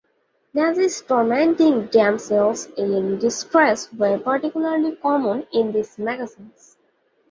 Nazis tormenting damsels in distress were particularly common in these magazines.